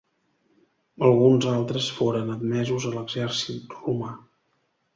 Alguns altres foren admesos a l'exèrcit romà.